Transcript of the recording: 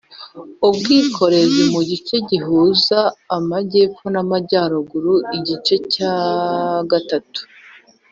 ubwikorezi mu gice gihuza amajyepfo n amajyaruguru icyiciro cya gatatu